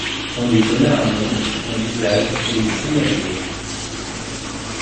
On lui donna un nom, un visage et une signature.